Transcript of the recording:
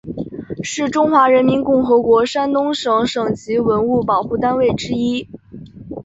是中华人民共和国山东省省级文物保护单位之一。